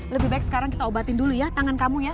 lebih baik sekarang kita obatin dulu ya tangan kamu ya